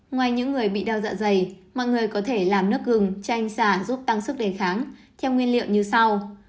ngoài những người bị đau dạ dày mọi người có thể làm nước gừng tranh xà giúp tăng sức đề kháng theo nguyên liệu như sau